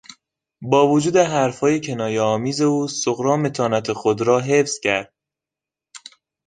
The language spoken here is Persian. با وجود حرفهای کنایهآمیز او صغرا متانت خود را حفظ کرد.